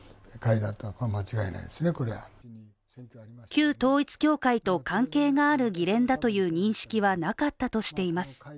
旧統一教会と関係がある議連だという認識はなかったとしています。